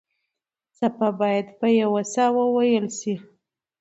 څپه باید په یوه ساه کې وېل شي.